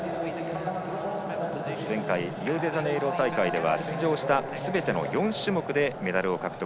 前回、リオデジャネイロ大会では出場したすべての４種目でメダルを獲得。